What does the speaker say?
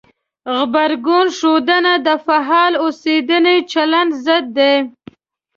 غبرګون ښودنه د فعال اوسېدنې چلند ضد دی.